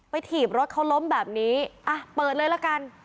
ถีบรถเขาล้มแบบนี้อ่ะเปิดเลยละกัน